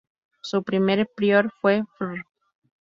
Su primer prior fue Fr.